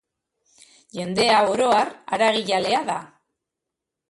Jendea oro har haragijalea da.